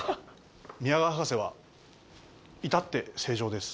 宮川博士は至って正常です。